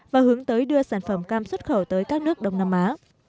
và hướng tới đưa sản phẩm cam xuất khẩu tới các nước đông nam á